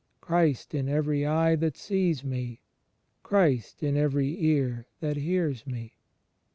Christ in every eye that sees me. Christ in every ear that hears me."